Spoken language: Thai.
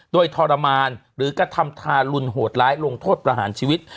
โดยทรมานหรือกระทำทารุณโหดร้ายลงโทษประหารชีวิต